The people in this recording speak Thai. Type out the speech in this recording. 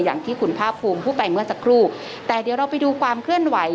อย่างที่คุณภาคภูมิพูดไปเมื่อสักครู่แต่เดี๋ยวเราไปดูความเคลื่อนไหว